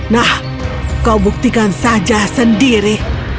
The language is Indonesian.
nah kau buktikan saja sendiri